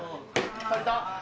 足りた？